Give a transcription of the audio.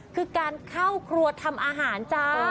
คือการเข้าครัวทำอาหารจ้า